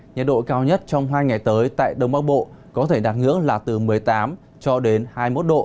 nhiệt độ cao nhất trong hai ngày tới tại đông bắc bộ có thể đạt ngưỡng là từ một mươi tám cho đến hai mươi một độ